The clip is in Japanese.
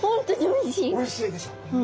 おいしいでしょ。